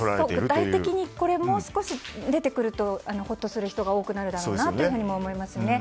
具体的にもう少し出てくるとほっとする人が多くなるだろうなと思いますよね。